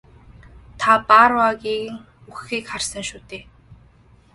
Та Барруагийн үхэхийг харсан шүү дээ?